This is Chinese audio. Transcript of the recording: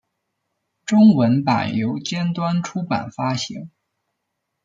中文版由尖端出版发行。